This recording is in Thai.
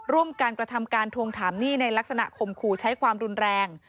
ร่วมการกระทำการทวงถามหนี้ในลักษณะข่มขู่ใช้ความรุนแรง